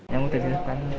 yang udah disiapkan